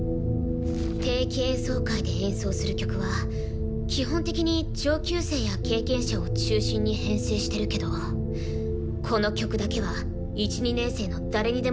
定期演奏会で演奏する曲は基本的に上級生や経験者を中心に編成してるけどこの曲だけは１２年生の誰にでもチャンスがあるのよね。